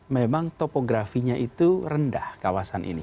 memang topografinya itu rendah kawasan ini